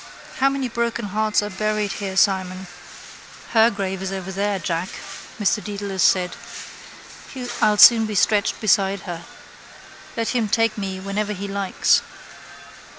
How many broken hearts are buried here, Simon! —Her grave is over there, Jack, Mr Dedalus said. I'll soon be stretched beside her. Let Him take me whenever He likes.